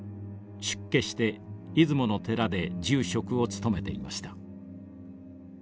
出家して出雲の寺で住職を務めていました。